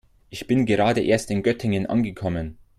Ich bin gerade erst in Göttingen angekommen